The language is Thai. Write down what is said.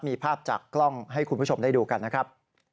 มีภาพจากกล้องให้คุณผู้ชมได้ดูกันนะครับ